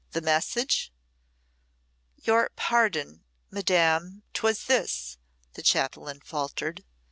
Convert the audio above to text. The message?" "Your pardon, Madam 'twas this," the chaplain faltered.